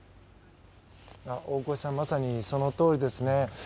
大越さん、まさにそのとおりですね。